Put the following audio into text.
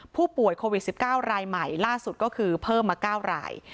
ผู้ป่วยโควิด๑๙รายใหม่ล่าสุดก็คือเพิ่มมา๙ราย